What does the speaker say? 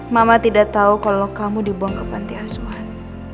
mama tidak tahu kalau kamu dibuang ke panti asuhan